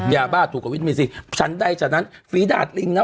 ยาบ้าถูกกว่าวิทย์มีซีฉันได้จากนั้นฝีดาตริงนะ